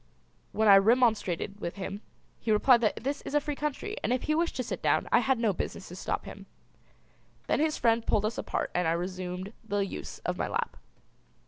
When I remonstrated with him he replied that this is a free country and if he wished to sit down I had no business to stop him. Then his friend pulled us apart and I resumed the use of my lap.